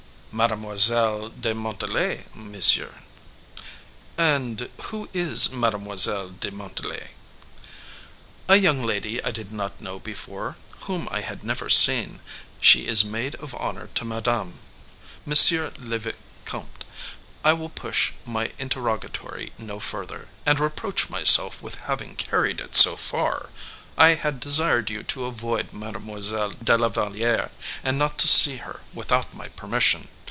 "Mademoiselle de Montalais, monsieur." "And who is Mademoiselle de Montalais?" "A young lady I did not know before, whom I had never seen. She is maid of honor to Madame." "Monsieur le vicomte, I will push my interrogatory no further, and reproach myself with having carried it so far. I had desired you to avoid Mademoiselle de la Valliere, and not to see her without my permission.